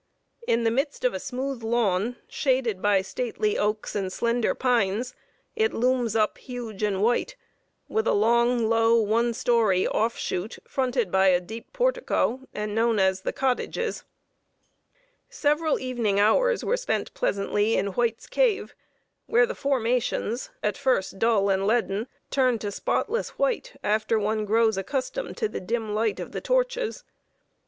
In the midst of a smooth lawn, shaded by stately oaks and slender pines, it looms up huge and white, with a long, low, one story offshoot fronted by a deep portico, and known as "the Cottages." [Sidenote: THE CURIOSITIES OF WHITE'S CAVE.] Several evening hours were spent pleasantly in White's Cave, where the formations, at first dull and leaden, turn to spotless white after one grows accustomed to the dim light of the torches.